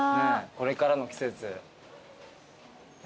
これからの季節。